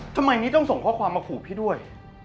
ทำไมนี้ต้องส่งข้อความมาขู่พี่ด้วย